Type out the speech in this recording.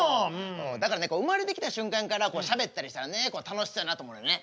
だからね生まれてきた瞬間からしゃべったりしたらね楽しそうやなと思うのよね。